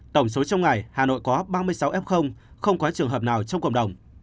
tổng số trong ngày hà nội có ba mươi sáu f không có trường hợp nào trong cộng đồng